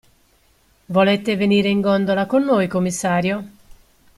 Volete venire in gondola con noi, commissario?